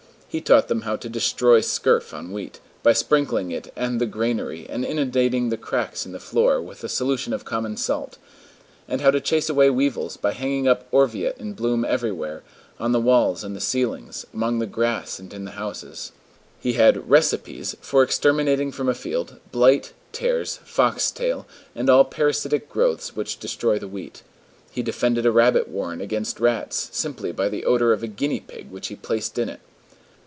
He taught them how to destroy scurf on wheat, by sprinkling it and the granary and inundating the cracks in the floor with a solution of common salt; and how to chase away weevils by hanging up orviot in bloom everywhere, on the walls and the ceilings, among the grass and in the houses. He had "recipes" for exterminating from a field, blight, tares, foxtail, and all parasitic growths which destroy the wheat. He defended a rabbit warren against rats, simply by the odor of a guinea pig which he placed in it.